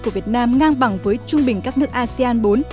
của việt nam ngang bằng với trung bình các nước asean bốn